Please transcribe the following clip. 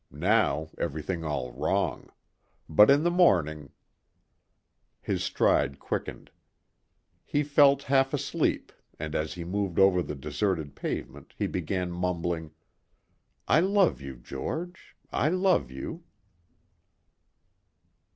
Now, everything all wrong. But in the morning His stride quickened. He felt half asleep and as he moved over the deserted pavement he began mumbling, "I love you, George, I love you...."